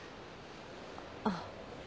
あっ。